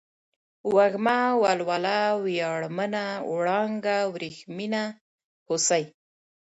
وږمه ، ولوله ، وياړمنه ، وړانگه ، ورېښمينه ، هوسۍ